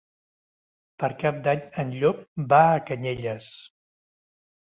Per Cap d'Any en Llop va a Canyelles.